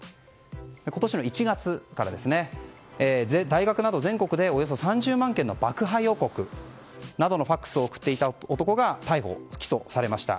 今年の１月から大学など全国でおよそ３０万件の爆破予告などのＦＡＸを送っていた男が逮捕・起訴されました。